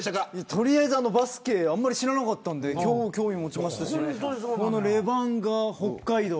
とりあえずバスケあんまり知らなかったんで今日、興味持ちましたしレバンガ北海道